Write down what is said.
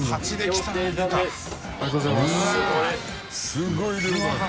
すごい量だ。